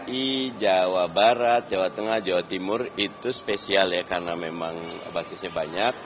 dki jawa barat jawa tengah jawa timur itu spesial ya karena memang basisnya banyak